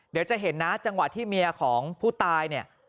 เดี๋ยวจะเห็นนะจังหวะที่เมียของผู้ตายเนี่ย